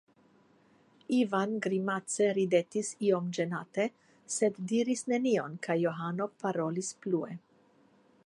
Ivan grimace ridetis iom ĝenate, sed diris nenion kaj Johano parolis plue.